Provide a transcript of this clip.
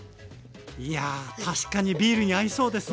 いや確かにビールに合いそうですね。